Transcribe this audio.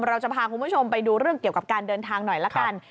เราจะพาคุณผู้ชมไปดูเรื่องเกี่ยวกับการเดินทางหน่อยละกัน